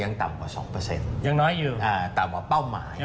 ต่ำกว่า๒ยังน้อยอยู่ต่ำกว่าเป้าหมาย